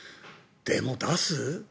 でも、出す？